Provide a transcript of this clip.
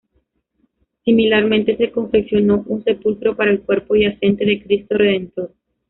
Similarmente, se confeccionó un Sepulcro para el cuerpo yacente de Cristo Redentor.